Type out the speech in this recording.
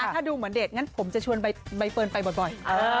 ถ้าดูเหมือนเดทงั้นผมจะชวนใบเฟิร์นไปบ่อย